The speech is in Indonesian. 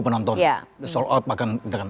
kebanyakan orang orang di luar negara